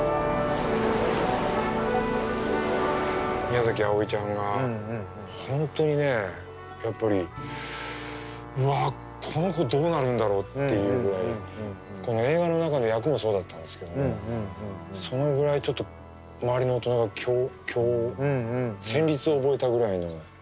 宮あおいちゃんが本当にねやっぱり「うわこの子どうなるんだろう」っていうぐらいこの映画の中の役もそうだったんですけどもそのぐらいちょっと周りの大人が戦慄を覚えたぐらいの。